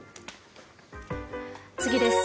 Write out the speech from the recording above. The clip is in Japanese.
次です。